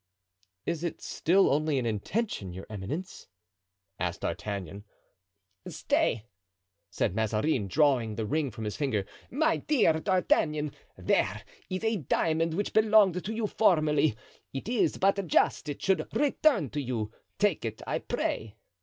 "Is it still only an intention, your eminence?" asked D'Artagnan. "Stay," said Mazarin, drawing the ring from his finger, "my dear D'Artagnan, there is a diamond which belonged to you formerly, it is but just it should return to you; take it, I pray."